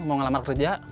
mau ngelamar kerja